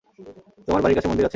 তোমার বাড়ির কাছে মন্দির আছে?